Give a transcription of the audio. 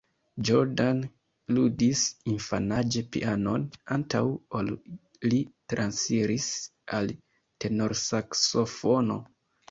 Jordan ludis infanaĝe pianon, antaŭ ol li transiris al tenorsaksofono.